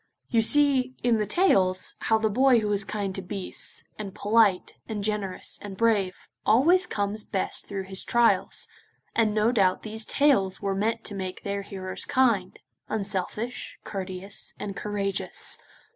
You see, in the tales, how the boy who is kind to beasts, and polite, and generous, and brave, always comes best through his trials, and no doubt these tales were meant to make their hearers kind, unselfish, courteous, and courageous.